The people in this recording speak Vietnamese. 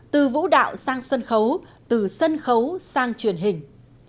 từ vũ đạo sang sân khấu từ sân khấu sang truyền hình